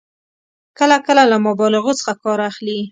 کله کله له مبالغو څخه کار اخلي.